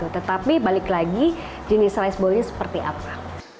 tetapi balik lagi jenis rice ballnya seperti apa